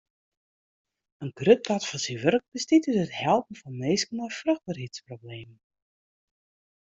In grut part fan syn wurk bestiet út it helpen fan minsken mei fruchtberheidsproblemen.